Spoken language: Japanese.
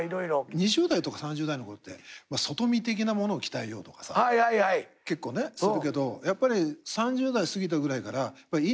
２０代とか３０代のころって外見的なものを鍛えようとかさ結構ねするけどやっぱり３０代過ぎたぐらいからインナーマッスルとか。